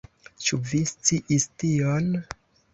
Ĉu vi sciis tion?